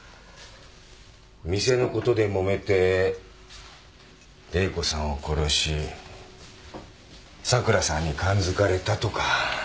店のことでもめて玲子さんを殺し桜さんに感づかれたとか。